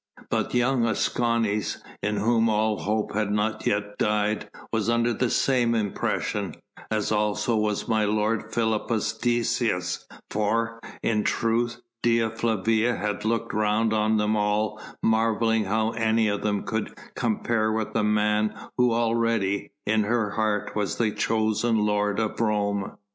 But young Escanes, in whom all hope had not yet died, was under the same impression, as also was my lord Philippus Decius; for, in truth, Dea Flavia had looked round on them all marvelling how any of them could compare with the man who already, in her heart, was the chosen lord of Rome.